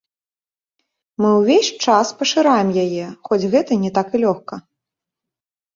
Мы ўвесь час пашыраем яе, хоць гэта не так і лёгка.